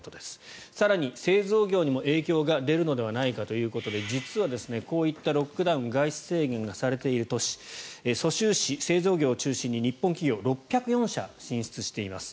更に、製造業にも影響が出るのではないかということで実は、こういったロックダウン外出制限がされている都市蘇州市、製造業を中心に日本企業が６０４社進出しています。